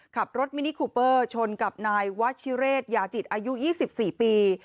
ขับรถมินิคูเปอร์ชนกับนายวัชิเรศยาจิตอายุ๒๔ปี